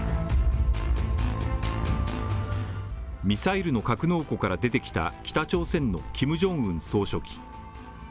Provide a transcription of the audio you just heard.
ミサイルの格納庫から出てきた北朝鮮のキムジョンウン総書記。